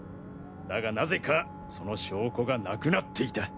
だがなぜかその証拠がなくなっていた。